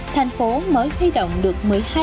thành phố mới khuyết động được